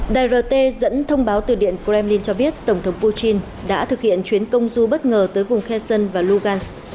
đài rt dẫn thông báo từ điện kremlin cho biết tổng thống putin đã thực hiện chuyến công du bất ngờ tới vùng kheson và lugans